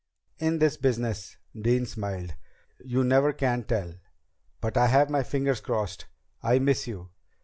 "In this business" Dean smiled "you never can tell. But I have my fingers crossed. I miss you."